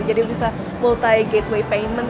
jadi bisa multi gateway payment